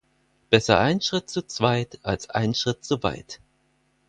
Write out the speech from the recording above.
Besser ein Schritt zu zweit als ein Schritt zu weit.